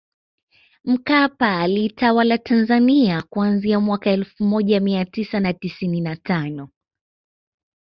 Mkapa aliitawala Tanzania kuanzia mwaka elfu moja mia tisa na tisini na tano